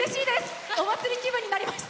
お祭り気分になりました。